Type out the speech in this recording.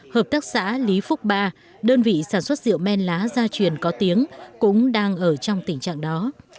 hợp tác xã lý phúc ba đơn vị sản xuất rượu men lá gia truyền có tiếng cũng đang ở trong tình trạng đó